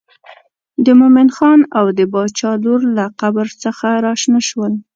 د مومن خان او د باچا لور له قبر څخه راشنه شول.